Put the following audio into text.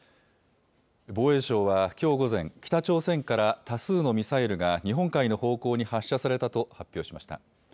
防衛省は、きょう午前、北朝鮮から多数のミサイルが日本海の方向に発射されたと発表しました。